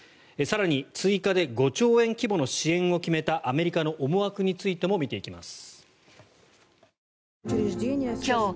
追加で５兆円規模の支援を決めたアメリカの思惑についても見ていきます。